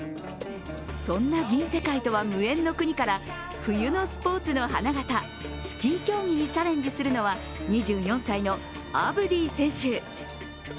そんな銀世界とは無縁の国から冬のスポーツの花形スキー競技にチャレンジするのは２４歳のアブディ選手。